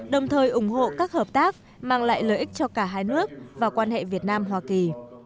đồng thời ủng hộ các hợp tác mang lại lợi ích cho cả hai nước và quan hệ việt nam hoa kỳ